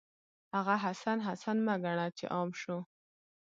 هغه حسن، حسن مه ګڼه چې عام شو